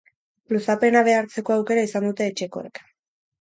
Luzapena behartzeko aukera izan dute etxekoek.